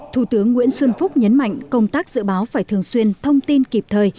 thủ tướng nguyễn xuân phúc nhấn mạnh công tác dự báo phải thường xuyên thông tin kịp thời